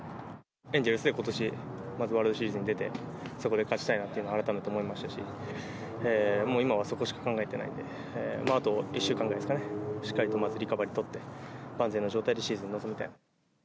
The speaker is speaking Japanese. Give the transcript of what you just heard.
エンゼルスでことし、まずワールドシリーズに出て、そこで勝ちたいなというのは改めて思いましたし、もう今はそこしか考えてないんで、あと１週間ぐらいですかね、しっかりとまずリカバリー取って、万全の状態でシーズンに臨みたい。